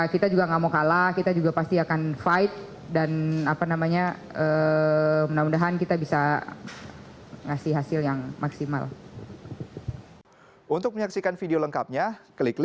kita juga nggak mau kalah kita juga pasti akan fight dan apa namanya mudah mudahan kita bisa ngasih hasil yang maksimal